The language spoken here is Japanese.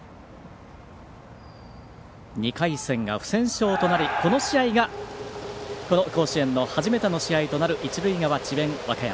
２回戦が不戦勝となりこの試合がこの甲子園の初めての試合となる一塁側、智弁和歌山。